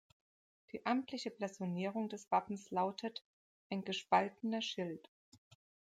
Die amtliche Blasonierung des Wappens lautet: "„Ein gespaltener Schild.